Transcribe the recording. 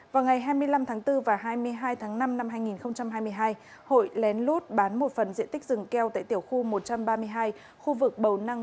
vào ngày hai mươi năm tháng bốn và hai mươi hai tháng năm năm hai nghìn hai mươi hai hội lén lút bán một phần diện tích rừng keo tại tiểu khu một trăm ba mươi hai khu vực bầu năng